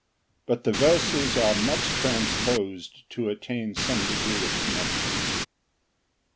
But the verses are much transposed to attain some degree of connection.